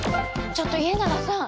ちょっと家長さん！